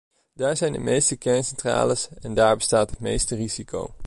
Daar zijn de meeste kerncentrales en daar bestaat het meeste risico.